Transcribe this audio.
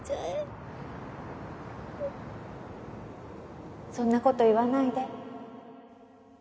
・そんなこと言わないで